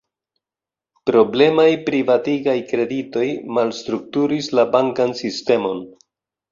Problemaj privatigaj kreditoj malstrukturis la bankan sistemon.